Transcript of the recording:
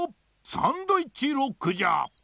「サンドイッチロック」じゃ！